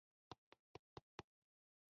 لویه وچه د سمندرونو غرونو ترمنځ لویه وچه ده.